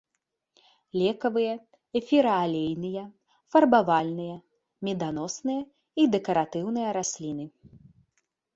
Лекавыя, эфіраалейныя, фарбавальныя, меданосныя і дэкаратыўныя расліны.